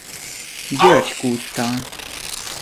György kúttal.